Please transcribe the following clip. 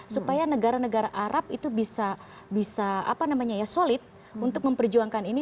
supaya negara negara arab itu bisa solid untuk memperjuangkan ini